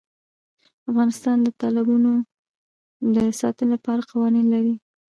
افغانستان د تالابونه د ساتنې لپاره قوانین لري.